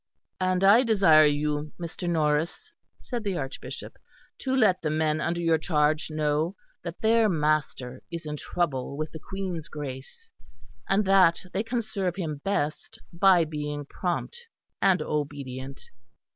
"And I desire you, Mr. Norris," said the Archbishop, "to let the men under your charge know that their master is in trouble with the Queen's Grace; and that they can serve him best by being prompt and obedient."